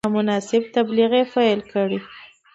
نامناسب تبلیغ پیل کړي.